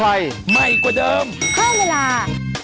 อืออืออืออืออือ